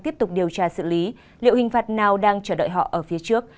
tiếp tục điều tra xử lý liệu hình phạt nào đang chờ đợi họ ở phía trước